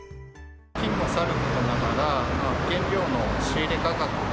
金もさることながら、原料の仕入れ価格が、